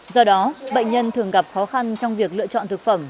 do đó bệnh nhân thường gặp khó khăn trong việc lựa chọn thực phẩm